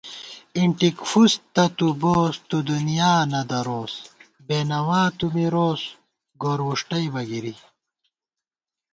اِنٹِک فُس تہ تُوبوس، تُو دُنیا نہ دروس ✿ بېنوا تُو مِروس ، گور وُݭٹئیبہ گِری